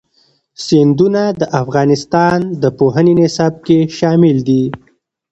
سیندونه د افغانستان د پوهنې نصاب کې شامل دي.